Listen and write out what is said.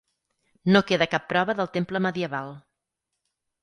No queda cap prova del temple medieval.